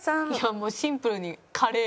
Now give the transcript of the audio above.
もうシンプルにカレー。